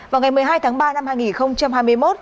vào ngày một mươi hai tháng ba năm hai nghìn hai mươi một